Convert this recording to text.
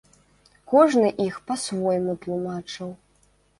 Кожны іх па-свойму тлумачыў.